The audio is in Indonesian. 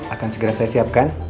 akan segera saya siapkan